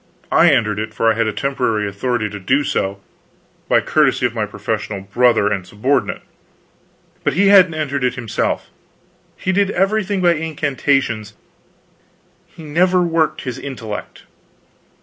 I entered it, for I had temporary authority to do so, by courtesy of my professional brother and subordinate. But he hadn't entered it himself. He did everything by incantations; he never worked his intellect.